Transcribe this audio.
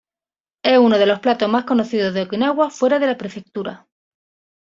Es uno de los platos más conocidos de Okinawa fuera de la prefectura.